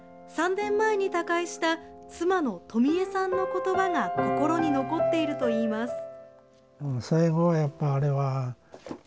３年前に他界した妻の富江さんの言葉が心に残っているといいます。